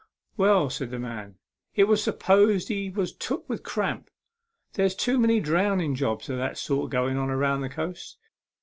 " Well," said the man, " it was supposed he was took with cramp. There's too many drownding jobs of that sort going on along the coast.